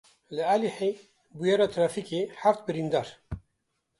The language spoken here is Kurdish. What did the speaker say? Li Êlihê bûyera trafîkê heft birîndar.